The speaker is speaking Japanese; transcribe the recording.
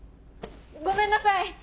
ごめんなさい！